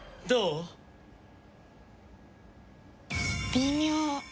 微妙。